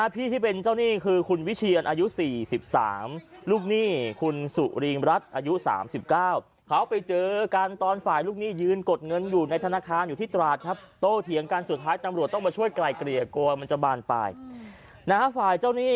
พี่ที่เป็นเจ้าหนี้คือ